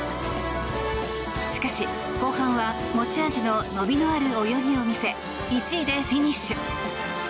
しかし後半は、持ち味の伸びのある泳ぎを見せ１位でフィニッシュ。